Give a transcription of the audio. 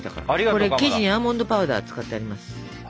これ生地にアーモンドパウダー使ってあります。